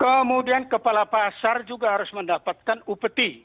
kemudian kepala pasar juga harus mendapatkan upeti